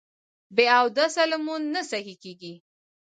بې اودسه لمونځ نه صحیح کېږي